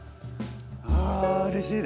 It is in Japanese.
あうれしいね。